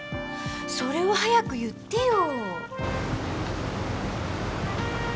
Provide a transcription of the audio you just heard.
それを早く言ってよ！